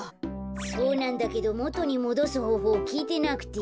そうなんだけどもとにもどすほうほうをきいてなくて。